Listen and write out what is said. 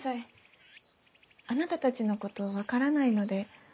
あなたたちのこと分からないので。